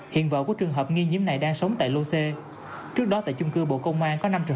hiện vợ của trường hợp nghi nhiễm này đang sống tại lô c trước đó tại chung cư bộ công an có năm trường